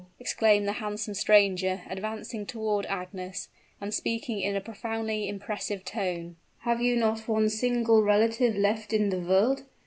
exclaimed the handsome stranger, advancing toward Agnes, and speaking in a profoundly impressive tone. "Have you not one single relative left in the world?